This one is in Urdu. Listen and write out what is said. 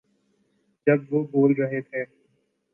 جب وہ بول رہے تھے۔